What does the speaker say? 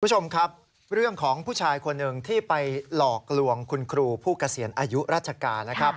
คุณผู้ชมครับเรื่องของผู้ชายคนหนึ่งที่ไปหลอกลวงคุณครูผู้เกษียณอายุราชการนะครับ